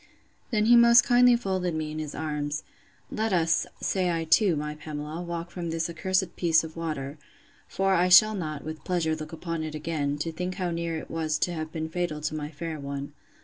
Then he most kindly folded me in his arms: Let us, say I too, my Pamela, walk from this accursed piece of water; for I shall not, with pleasure, look upon it again, to think how near it was to have been fatal to my fair one.